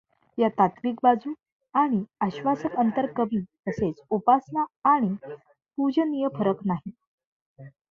या तात्विक बाजू आणि आश्वासक अंतर कमी, तसेच उपासना आणि पूजनीय फरक नाही.